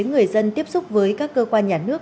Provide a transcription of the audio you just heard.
người dân tiếp xúc với các cơ quan nhà nước